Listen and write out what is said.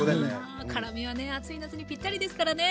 辛みはね暑い夏にぴったりですからね。